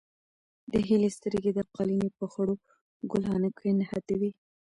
د هیلې سترګې د قالینې په خړو ګلانو کې نښتې وې.